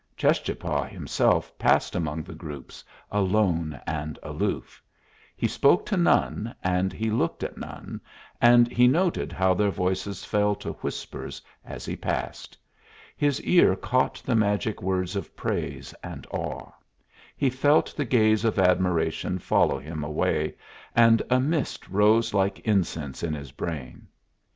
Cheschapah himself passed among the groups, alone and aloof; he spoke to none, and he looked at none, and he noted how their voices fell to whispers as he passed; his ear caught the magic words of praise and awe; he felt the gaze of admiration follow him away, and a mist rose like incense in his brain.